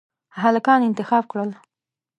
هلکان انتخاب کړل.